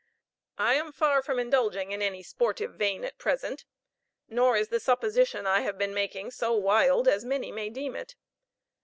I am far from indulging in any sportive vein at present; nor is the supposition I have been making so wild as many may deem it.